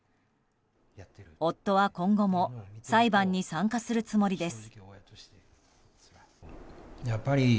夫は今後も裁判に参加するつもりです。